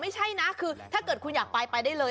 ไม่ใช่นะคือถ้าเกิดคุณอยากไปไปได้เลย